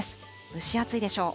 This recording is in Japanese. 蒸し暑いでしょう。